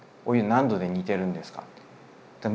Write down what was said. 「お湯何度で煮てるんですか？」